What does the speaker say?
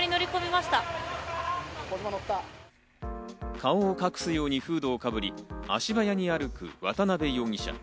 顔を隠すようにフードをかぶり、足早に歩く渡辺容疑者。